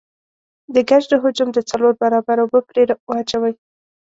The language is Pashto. د ګچ د حجم د څلور برابره اوبه پرې واچوئ.